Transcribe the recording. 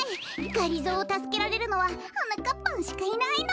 がりぞーをたすけられるのははなかっぱんしかいないの。